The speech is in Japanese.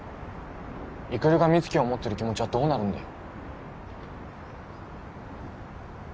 育が美月を思ってる気持ちはどうなるんだよ